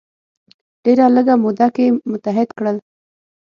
ډیره لږه موده کې متحد کړل.